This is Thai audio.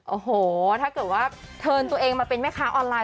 โอ้โหถ้าเกิดว่าเทินตัวเองมาเป็นแม่ค้าออนไลน